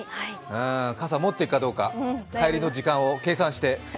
傘持っていくかどうか帰りの時間を計算して。